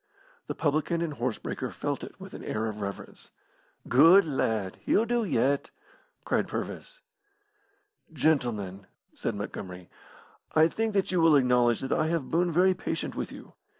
The publican and horse breaker felt it with an air of reverence. "Good lad! He'll do yet!" cried Purvis. "Gentlemen," said Montgomery, "I think that you will acknowledge that I have boon very patient with you.